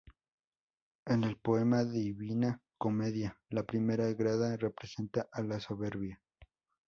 En el poema Divina Comedia, la Primera Grada representa a la Soberbia.